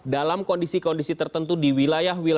dalam kondisi kondisi tertentu di wilayah wilayah